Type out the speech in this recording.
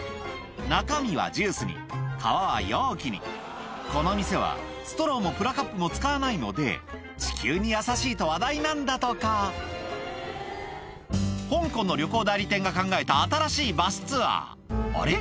中身はジュースに皮は容器にこの店はストローもプラカップも使わないので地球に優しいと話題なんだとか香港の旅行代理店が考えた新しいバスツアーあれ？